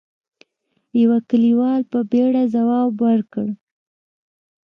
يوه کليوال په بيړه ځواب ورکړ: